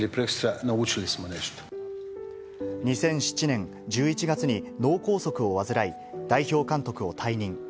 ２００７年１１月に脳梗塞を患い、代表監督を退任。